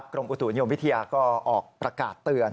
กรมอุตุนิยมวิทยาก็ออกประกาศเตือน